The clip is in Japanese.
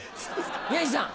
宮治さん。